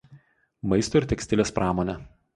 Maisto ir tekstilės pramonė.